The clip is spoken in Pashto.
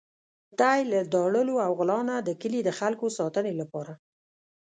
دی له داړلو او غلا نه د کلي د خلکو ساتنې لپاره.